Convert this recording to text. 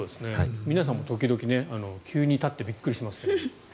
皆さんも時々急に立ってびっくりしますけど。